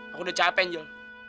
aku udah capek jel